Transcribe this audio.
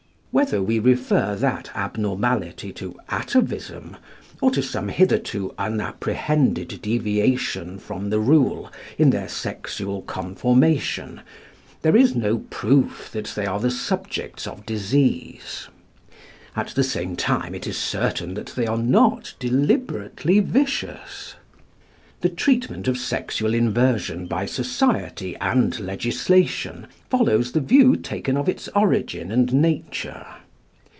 Whether we refer that abnormality to atavism, or to some hitherto unapprehended deviation from the rule in their sexual conformation, there is no proof that they are the subjects of disease. At the same time it is certain that they are not deliberately vicious. The treatment of sexual inversion by society and legislation follows the view taken of its origin and nature.